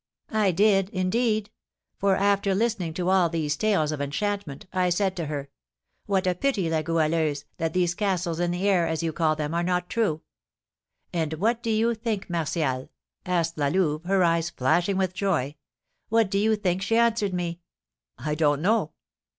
"I did, indeed. For, after listening to all these tales of enchantment, I said to her, 'What a pity, La Goualeuse, that these castles in the air, as you call them, are not true!' And what do you think, Martial," asked La Louve, her eyes flashing with joy, "what do you think she answered me?" "I don't know."